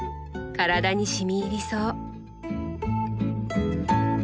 体にしみ入りそう。